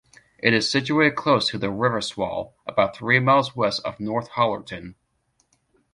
It is situated close to the River Swale, about three miles west of Northallerton.